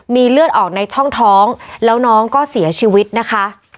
มีเลือดออกในช่องท้องแล้วน้องก็เสียชีวิตนะคะ